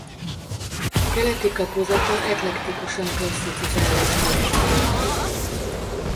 Keleti kapuzata eklektikusan klasszicizáló stílusban épült.